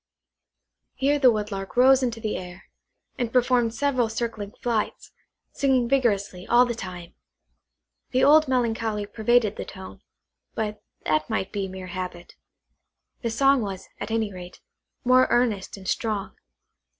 Here the Woodlark rose into the air, and performed several circling flights, singing vigorously all the time. The old melancholy pervaded the tone, but that might be mere habit. The song was, at any rate, more earnest and strong.